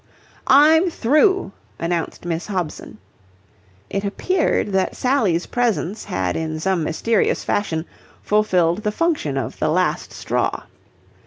"I'm through!" announced Miss Hobson. It appeared that Sally's presence had in some mysterious fashion fulfilled the function of the last straw.